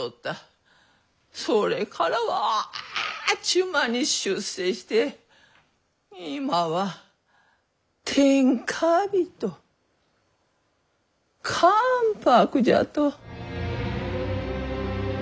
それからはあっちゅう間に出世して今は天下人関白じゃと。